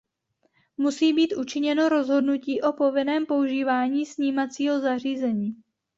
Musí být učiněno rozhodnutí o povinném používání snímacího zařízení.